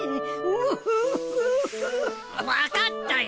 分かったよ！